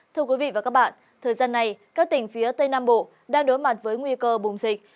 thưa quý vị và các bạn thời gian này các tỉnh phía tây nam bộ đang đối mặt với nguy cơ bùng dịch